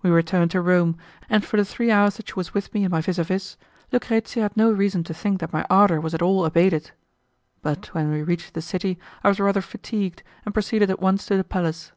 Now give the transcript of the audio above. We returned to Rome, and for the three hours that she was with me in my vis a vis, Lucrezia had no reason to think that my ardour was at all abated. But when we reached the city I was rather fatigued, and proceeded at once to the palace.